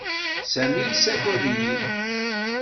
Sami yessaggad-iyi.